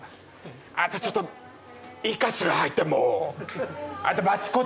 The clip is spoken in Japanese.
ちょっといいかしら入っても。